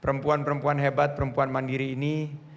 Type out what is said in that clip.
perempuan perempuan hebat perempuan mandiri ini